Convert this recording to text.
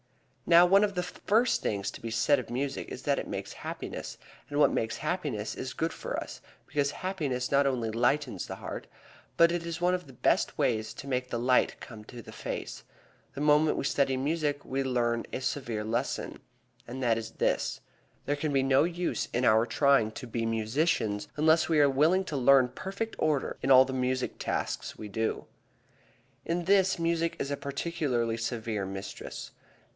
Now, one of the first things to be said of music is that it makes happiness, and what makes happiness is good for us, because happiness not only lightens the heart, but it is one of the best ways to make the light come to the face. The moment we study music we learn a severe lesson, and that is this: There can be no use in our trying to be musicians unless we are willing to learn perfect order in all the music tasks we do. In this, music is a particularly severe mistress.